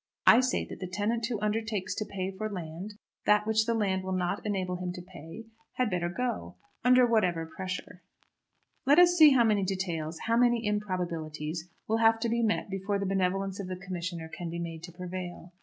I say that the tenant who undertakes to pay for land that which the land will not enable him to pay had better go, under whatever pressure. Let us see how many details, how many improbabilities, will have to be met before the benevolence of the commissioner can be made to prevail.